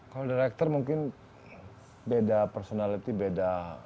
kalau director mungkin beda personality beda